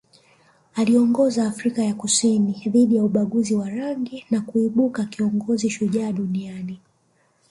Aliiongoza Afrika ya Kusini dhidi ya ubaguzi wa rangi na kuibuka kiongozi shujaa duniani